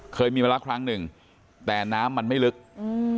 เคยมีมาแล้วครั้งหนึ่งแต่น้ำมันไม่ลึกอืม